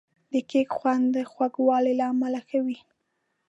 د کیک خوند د خوږوالي له امله ښه وي.